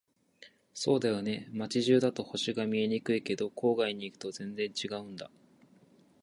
そうだよね。街中だと星が見えにくいけど、郊外に行くと全然違うんだ。